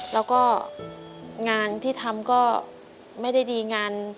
แล้วก็งานที่ทำก็ไม่ได้ดีงาน